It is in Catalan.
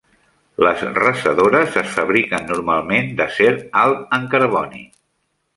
Les rasadores es fabriquen normalment d'acer alt en carboni.